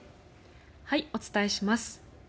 お伝えします。